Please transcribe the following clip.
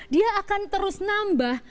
dia akan terus nambah